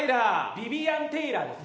ビビアン・テイラーです。